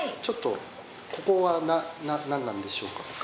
ちょっとここは何なんでしょうか？